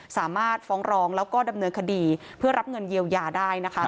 สามารถฟ้องร้องแล้วก็ดำเนินคดีเพื่อรับเงินเยียวยาได้นะคะ